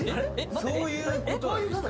そういうことなの？